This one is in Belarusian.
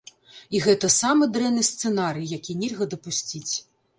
І гэта самы дрэнны сцэнарый, які нельга дапусціць.